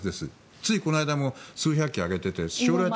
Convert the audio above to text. ついこの間も数百機上げていて。